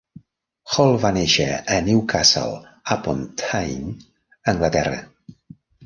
Hall va néixer a Newcastle upon Tyne, Anglaterra.